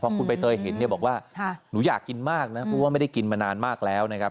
คุณใบเตยเห็นเนี่ยบอกว่าหนูอยากกินมากนะเพราะว่าไม่ได้กินมานานมากแล้วนะครับ